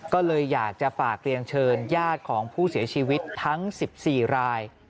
ก็เลยอยากจะฝากเรียนเชิญญาติของผู้เสียชีวิตทั้ง๑๔ราย